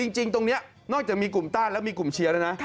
จริงตรงนี้นอกจากมีกลุ่มต้านแล้วมีกลุ่มเชียร์แล้วนะ